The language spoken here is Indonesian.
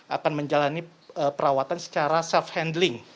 akan menjalani perawatan secara self handling